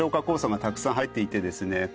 酵素がたくさん入っていてですね